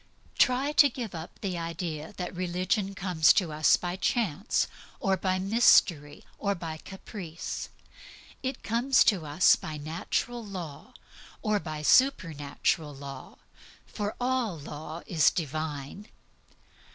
Try to give up the idea that religion comes to us by chance, or by mystery, or by caprice. It comes to us by natural law, or by supernatural law, for all law is Divine.